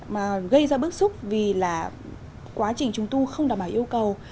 mà gây ra bức xúc vì là quá trình trùng tu không đảm bảo yêu cầu